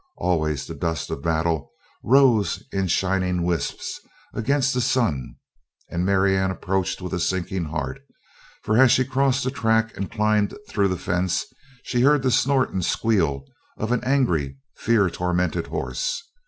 Always the dust of battle rose in shining wisps against the sun and Marianne approached with a sinking heart, for as she crossed the track and climbed through the fence she heard the snort and squeal of an angry, fear tormented horse.